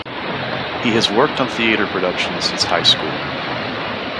He has worked on theatre productions since high school.